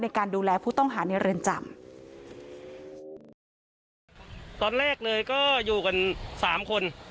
ในการดูแลผู้ต้องหาในเรือนจำตอนแรกเลยก็อยู่กันสามคน